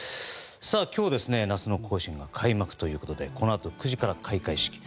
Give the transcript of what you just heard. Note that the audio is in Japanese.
さあ、今日夏の甲子園が開幕ということでこのあと９時から開会式。